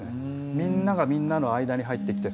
みんながみんなの間に入ってきて支え合っていく。